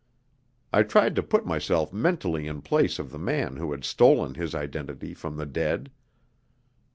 I tried to put myself mentally in place of the man who had stolen his identity from the dead.